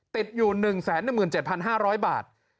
ติดอยู่๑๑๗๕๐๐บาท